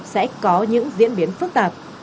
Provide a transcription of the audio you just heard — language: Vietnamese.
sẽ có những diễn biến phức tạp